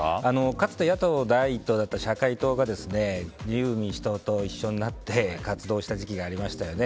かつて野党第１党だった社会党が自由民主党と一緒になって活動した時期がありましたよね。